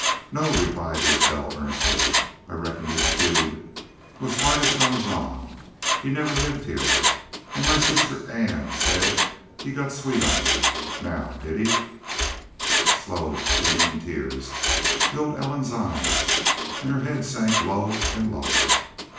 "No," replied Isbel, earnestly. "I reckon this feud was hardest on Jean. He never lived heah.... An' my sister Ann said he got sweet on y'u.... Now did he?" Slow, stinging tears filled Ellen's eyes, and her head sank low and lower.